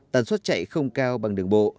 tần suất chạy không cao bằng đường bộ